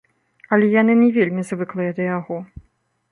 Але яны не вельмі звыклыя да яго.